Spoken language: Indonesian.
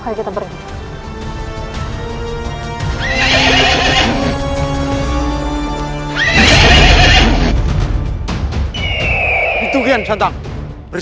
saya akan menjaga kebenaran raden